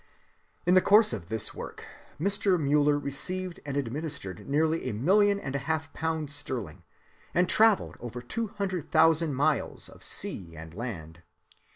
In the course of this work Mr. Müller received and administered nearly a million and a half of pounds sterling, and traveled over two hundred thousand miles of sea and land.